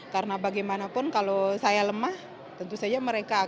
karena bagaimanapun kalau saya lemah tentu saja mereka akan